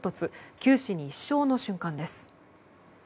九死に一生の瞬間です。